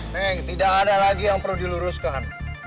neng tidak ada lagi yang perlu diluruskan